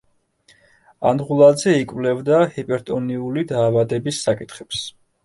ანდღულაძე იკვლევდა ჰიპერტონიული დაავადების საკითხებს.